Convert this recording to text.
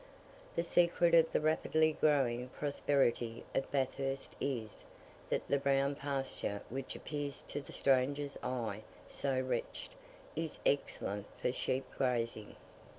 The secret of the rapidly growing prosperity of Bathurst is, that the brown pasture which appears to the stranger's eye so wretched, is excellent for sheep grazing.